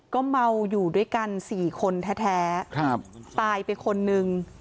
ก็เมาอยู่ด้วยกันสี่คนแท้ตายเป็นคนหนึ่ง